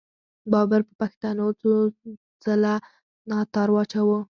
بابر پر پښتنو څو څله ناتار واچاوو.